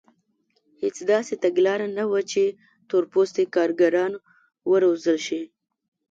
هېڅ داسې تګلاره نه وه چې تور پوستي کارګران وروزل شي.